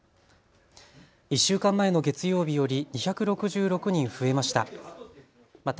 １週間前の月曜日より２６６人増えました。